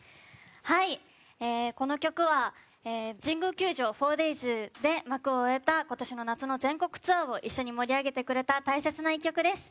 この曲は神宮球場４デイズで幕を終えた今年の夏の全国ツアーを一緒に盛り上げてくれた大切な一曲です。